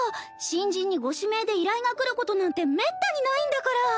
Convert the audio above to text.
新人にご指名で依頼が来ることなんてめったにないんだから。